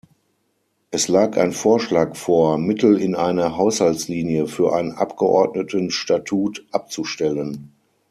Es lag ein Vorschlag vor, Mittel in eine Haushaltslinie für ein Abgeordnetenstatut abzustellen.